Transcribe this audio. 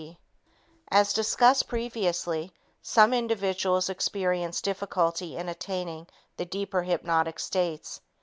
D. As discussed previously, some individuals experience difficulty in attaining the deeper hypnotic states.